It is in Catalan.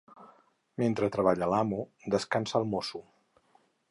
Mentre treballa l'amo, descansa el mosso.